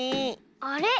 あれ？